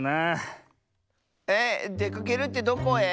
ええっ？でかけるってどこへ？